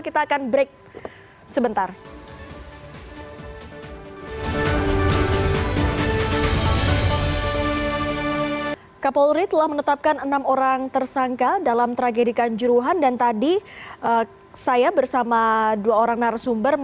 kita akan break sebentar